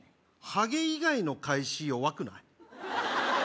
ハゲ以外の返し弱くない？